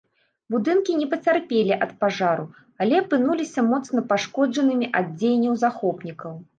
Будынкі не пацярпелі ад пажару, але апынуліся моцна пашкоджанымі ад дзеянняў захопнікаў.